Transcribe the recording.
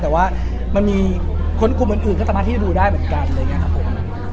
แต่ว่ามันมีคนกลุ่มเหมือนอื่นก็สามารถที่จะดูได้เหมือนกันเลยนะครับผม